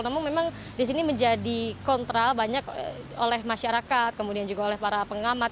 namun memang di sini menjadi kontra banyak oleh masyarakat kemudian juga oleh para pengamat